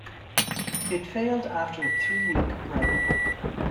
It failed after a three-week run.